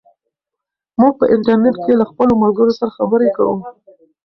موږ په انټرنیټ کې له خپلو ملګرو سره خبرې کوو.